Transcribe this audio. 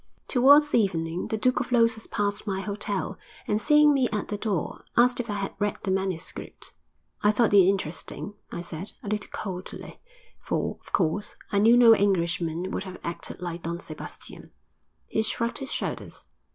VIII Towards evening, the Duke of Losas passed my hotel, and, seeing me at the door, asked if I had read the manuscript. 'I thought it interesting,' I said, a little coldly, for, of course, I knew no Englishman would have acted like Don Sebastian. He shrugged his shoulders.